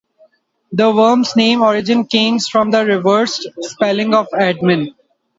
The worm's name origin comes from the reversed spelling of "admin".